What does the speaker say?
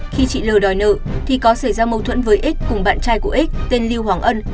khi chị l đòi nợ thì có xảy ra mâu thuẫn với x cùng bạn trai của x tên lưu hoàng ân